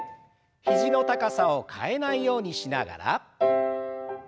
肘の高さを変えないようにしながら。